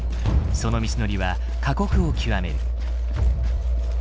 その道のりは過酷を極める。